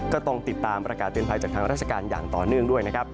ก็ต้องติดตามประกาศเตือนภัยจากทางราชการอย่างต่อเนื่องด้วยนะครับ